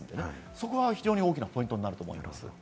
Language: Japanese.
そこは非常に大きなポイントになると思います。